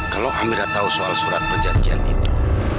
kalau amira tahu soal surat perjanjian itu